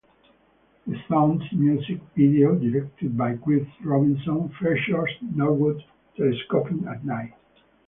The song's music video, directed by Chris Robinson, features Norwood telescoping at night.